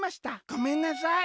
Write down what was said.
『ごめんなさい』。